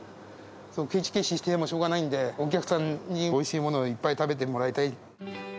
けちけちしていてもしょうがないので、お客さんにおいしいものをいっぱい食べてもらいたい。